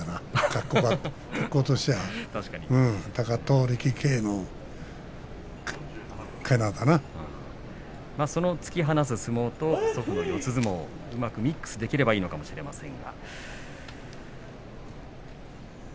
格好としては貴闘力系の突き放す相撲と祖父の四つ相撲をうまくミックスできればいいのかもしれません。